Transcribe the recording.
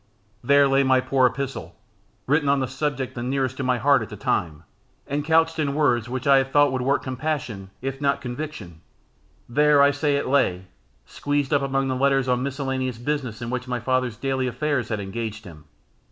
There lay my poor epistle, written on the subject the nearest to my heart at the time, and couched in words which I had thought would work compassion if not conviction, there, I say, it lay, squeezed up among the letters on miscellaneous business in which my father's daily affairs had engaged him.